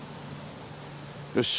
よし。